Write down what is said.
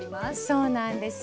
そうなんですよね。